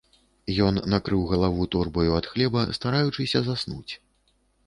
Ён накрыў галаву торбаю ад хлеба, стараючыся заснуць.